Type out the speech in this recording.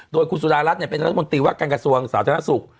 โดยคุณสุดารัสเนี่ยเป็นรัฐมนตรีวัฒน์การกระทรวงสาวธนสุข